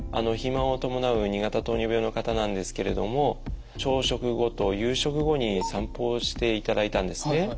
肥満を伴う２型糖尿病の方なんですけれども朝食後と夕食後に散歩をしていただいたんですね。